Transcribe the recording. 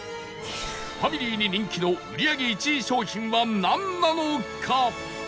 ファミリーに人気の売り上げ１位商品はなんなのか？